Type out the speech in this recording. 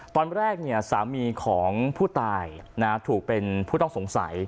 ตอนแรกสามีของผู้ตายถูกเป็นผู้ต้องสงสัย